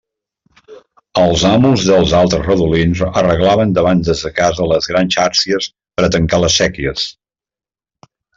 Els amos dels altres redolins arreglaven davant de sa casa les grans xàrcies per a tancar les séquies.